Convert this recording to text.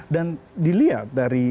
dan dilihat dari